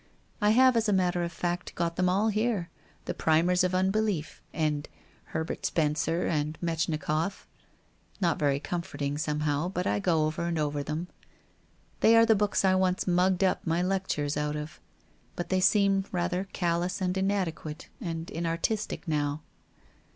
I have as a matter of fact got them all here, the primers of unbelief, and Herbert Spencer, and Metchnikoff — not very comfort ing, somehow, but I go over and over them. They are the books I once mugged up my lectures out of, but they seem rather callous and inadequate and inartistic now.